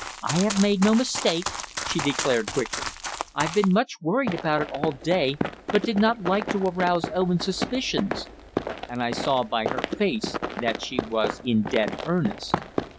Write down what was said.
"I have made no mistake," she declared quickly. "I've been much worried about it all day, but did not like to arouse Owen's suspicions;" and I saw by her face that she was in dead earnest.